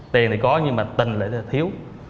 tiền thì có nhưng mà tình thì thiếu